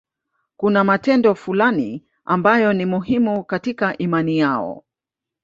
Kuna matendo fulani ambayo ni muhimu katika imani hiyo.